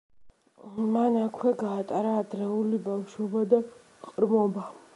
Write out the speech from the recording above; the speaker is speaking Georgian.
მან აქვე გაატარა ადრეული ბავშვობა და ყრმობა.